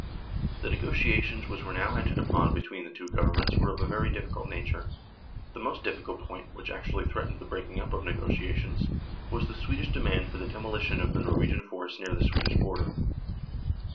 The negotiations which were now entered upon between the two Governments were of a very difficult nature. The most difficult point, which actually threatened the breaking up of the negotiations, was the Swedish demand for the demolition of the Nor wegian forts near the Swedish frontier.